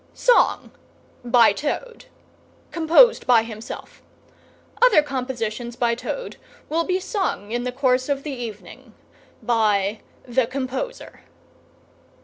SONG. ... BY TOAD. (Composed by himself.) OTHER COMPOSITIONS. BY TOAD will be sung in the course of the evening by the. .. COMPOSER.